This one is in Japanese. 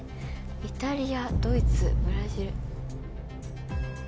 イタリアドイツブラジル。